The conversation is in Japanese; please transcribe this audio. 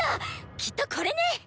きっとこれね！